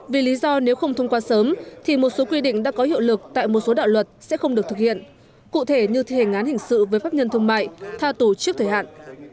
vì lý do nếu không thông qua sớm thì một số quy định đã có hiệu lực tại một số đạo luật sẽ không được thực hiện cụ thể như thi hành án hình sự với pháp nhân thương mại tha tù trước thời hạn